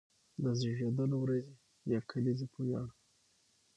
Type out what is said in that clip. د زېږېدلو ورځې يا کليزې په وياړ،